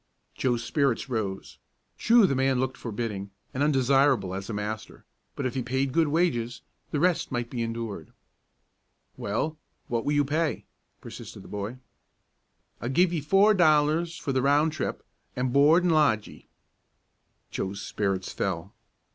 Joe's spirits rose. True, the man looked forbidding, and undesirable as a master; but if he paid good wages, the rest might be endured. "Well, what will you pay?" persisted the boy. "I'll give ye four dollars for the round trip, an' board an' lodge ye." Joe's spirits fell.